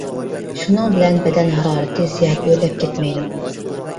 شۇنىڭ بىلەن بەدەن ھارارىتى زىيادە ئۆرلەپ كەتمەيدۇ.